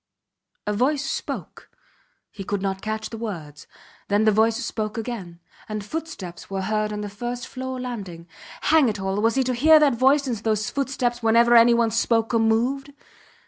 A voice spoke. He could not catch the words. Then the voice spoke again, and footsteps were heard on the first floor landing. Hang it all! Was he to hear that voice and those footsteps whenever any one spoke or moved?